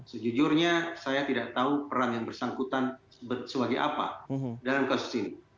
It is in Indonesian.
sejujurnya saya tidak tahu peran yang bersangkutan sebagai apa dalam kasus ini